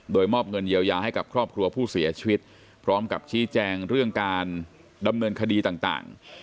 โดยมอบเงินเยียวยาให้กับครอบครัวผู้เสียชีวิตพร้อมกับชี้แจงเรื่องการดำเนินคดีต่าง